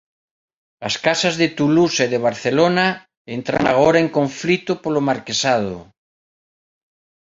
As casas de Toulouse e de Barcelona entran agora en conflito polo marquesado.